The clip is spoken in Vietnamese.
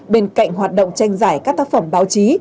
bên cạnh hoạt động tranh giải các tác phẩm báo chí